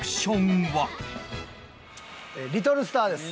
リトルスターです。